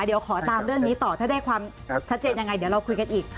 เดี๋ยวขอตามเรื่องนี้ต่อถ้าได้ความชัดเจนยังไงเดี๋ยวเราคุยกันอีก